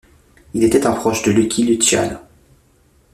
Il était un proche de Lucky Luciano.